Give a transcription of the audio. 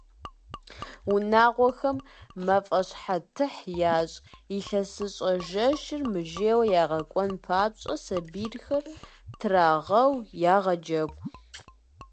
Унагъуэхэм мафӀащхьэтыхь ящӀ, илъэсыщӀэ жэщыр мыжейуэ ягъэкӀуэн папщӀэ сабийхэр трагъэу, ягъэджэгу.